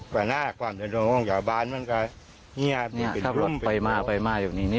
ก่อนหน้าความเดินลงของจอบาร์นมันก็เนี้ยถ้ารถไปมาไปมาอยู่นี่